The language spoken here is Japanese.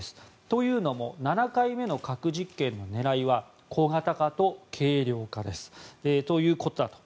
というのも７回目の核実験の狙いは小型化と軽量化ということだと。